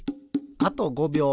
あと５びょう。